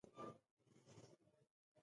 پوه شوم، هغه کس ورو ورو وموسېد.